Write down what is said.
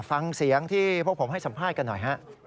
ฟังเสียงที่พวกผมให้สัมภาษณ์กันหน่อยฮะ